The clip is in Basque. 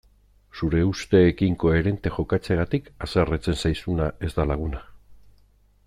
Zure usteekin koherente jokatzeagatik haserretzen zaizuna ez da laguna.